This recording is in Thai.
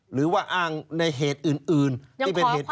หรือว่าอ้างในเหตุอื่นที่เป็นเหตุ